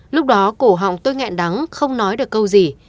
lúc đó cổ họng tôi nghẹn đắng không nói được câu gì